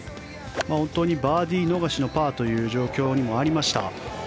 本当にバーディー逃しのパーという状況にもありました。